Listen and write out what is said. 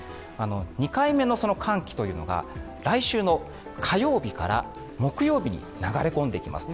２回目の寒気が来週の火曜日から木曜日に流れ込んできます。